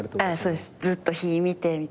そうですずっと火見てみたいな。